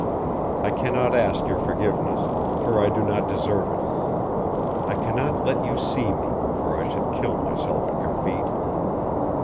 I cannot ask your forgiveness, for I do not deserve it. I cannot let you see me, for I should kill myself at your feet.